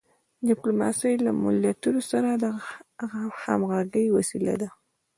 ډیپلوماسي له ملتونو سره د همږغی وسیله ده.